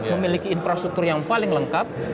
memiliki infrastruktur yang paling lengkap